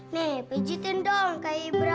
nih pejitin dong kak ibra